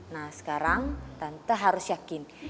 nah sekarang tante harus yakin